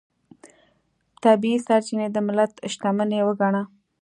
طبیعي سرچینې د ملت شتمنۍ وګڼله.